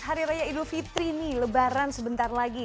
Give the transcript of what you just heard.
hari raya idul fitri nih lebaran sebentar lagi